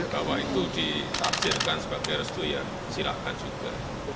bahwa itu ditafsirkan sebagai restu ya silahkan juga